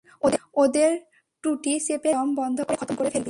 ওদের টুঁটি চেপে ধরে দম বন্ধ করে খতম করে ফেলবি।